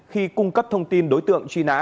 khi cung cấp thông tin đối tượng truy nã